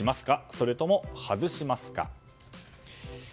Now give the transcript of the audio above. それとも外しますか？